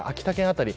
辺り